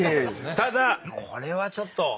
ただこれはちょっと。